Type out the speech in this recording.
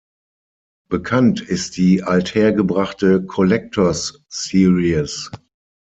Bekannt ist die althergebrachte "Collector's Series".